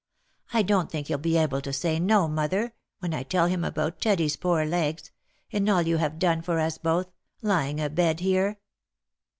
I don't think he'll be able to say no, mother, when I tell him about Teddy's poor legs, and all you have done for us both, lying a bed here."